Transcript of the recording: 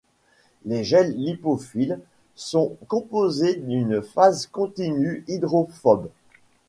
Les gels lipophiles sont composés d'une phase continue hydrophobe.